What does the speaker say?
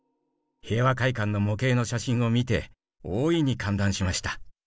平和会館の模型の写真を見て大いに歓談しました。